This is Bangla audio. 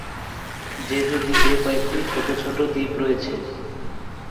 জেজু দ্বীপে কয়েকটি ছোট ছোট দ্বীপ রয়েছে।